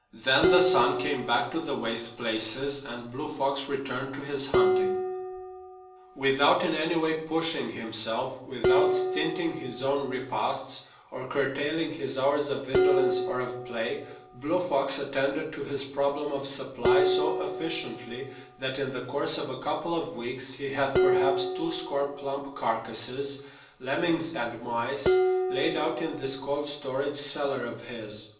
Then the sun came back to the waste places, and Blue Fox returned to his hunting. Without in any way pushing himself, without stinting his own repasts or curtailing his hours of indolence or of play, Blue Fox attended to his problem of supply so efficiently that in the course of a couple of weeks he had perhaps two score plump carcasses, lemmings and mice, laid out in this cold storage cellar of his.